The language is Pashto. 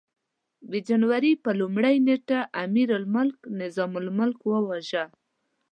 د جنوري پر لومړۍ نېټه امیرالملک نظام الملک وواژه.